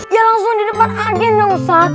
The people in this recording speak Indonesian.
ya langsung di depan agen ya usah